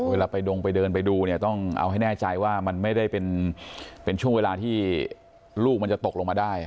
เวลาไปดงไปเดินไปดูเนี่ยต้องเอาให้แน่ใจว่ามันไม่ได้เป็นช่วงเวลาที่ลูกมันจะตกลงมาได้